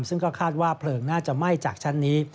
ซึ่งก็คาดว่าเพลิงน่าจะไหม้จากชั้นนี้